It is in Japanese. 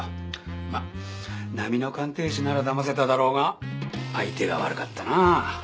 まっ並の鑑定士ならだませただろうが相手が悪かったな。